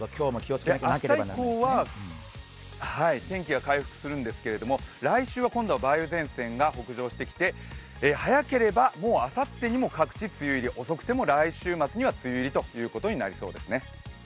明日以降は天気が回復するんですけれども、来週は今度は梅雨前線が北上してきて早ければもうあさってにも梅雨入り、遅くても来週末には梅雨入りとなりそうですね。